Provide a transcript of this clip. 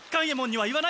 はい！